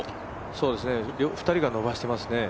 そうですね、２人が伸ばしていますね。